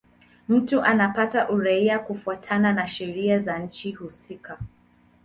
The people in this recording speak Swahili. Mtu anapata uraia kufuatana na sheria za nchi husika.